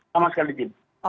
sama sekali tidak